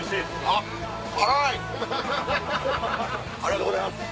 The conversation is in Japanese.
ありがとうございます。